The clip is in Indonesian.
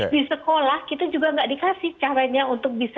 di sekolah kita juga nggak dikasih caranya untuk bisa